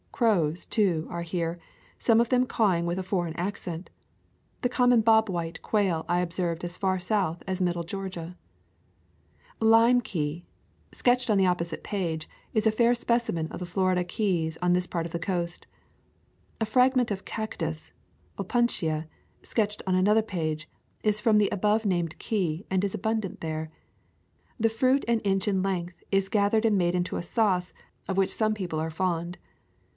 Crows, too, are here, some of them cawing with a foreign accent. The common bob white quail I observed as far south as middle Georgia. Lime Key, sketched on the opposite page, is a fair specimen of the Florida keys on this part of the coast. A fragment of cactus, Opuntia, sketched on another page,' is from the above named key, and is abundant there. The fruit, an inch in length, is gathered, and made into a sauce, of which some people are fond.